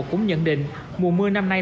cũng nhận định mùa mưa năm nay